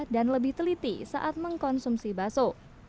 dan lebih teliti saat mengkonsumsi bakso